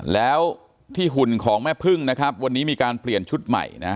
แล้วที่หุ่นของแม่พึ่งนะครับวันนี้มีการเปลี่ยนชุดใหม่นะ